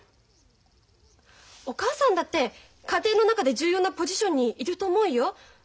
お母さんだって家庭の中で重要なポジションにいると思うよ。